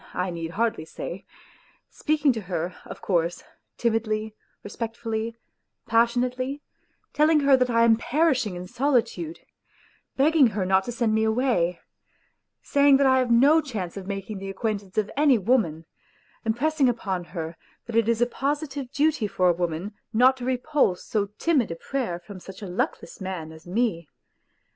need hardly say ; speaking to her, of course, timidly, respectfully, passionately ; telling her that I am perishing in solitude, begging her not to send me away ; saying that I have no chance of making the acquaint ance of any woman ; impressing upon her that it is a positive duty for a woman not to repulse so timid a prayer from such a luckless man as me.